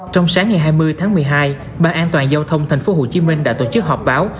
trong sáng ngày hai mươi tháng một mươi hai ban an toàn giao thông thành phố hồ chí minh đã tổ chức họp báo